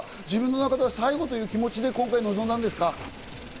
自分の中では最後という気持ちで今回臨んだんですか？